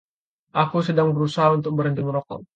Aku sedang berusaha untuk berhenti merokok.